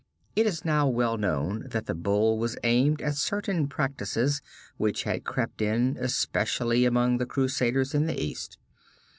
It is now well known that the Bull was aimed at certain practises which had crept in, especially among the Crusaders in the East.